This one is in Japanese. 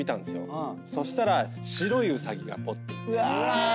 そしたら白いウサギがぽっていて。